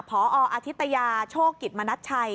พออธิตยาโชคกิจมณัชชัย